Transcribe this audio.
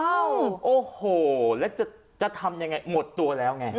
โอ้โหแล้วจะทำยังไงหมดตัวแล้วไง